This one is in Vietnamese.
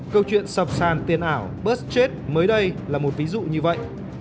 câu chuyện sập sàn tiền ảo bớt chết mới đây là một ví dụ như vậy